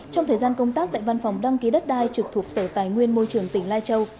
trong thời gian công tác tại văn phòng đăng ký đất đai trực thuộc sở tài nguyên môi trường tỉnh lai châu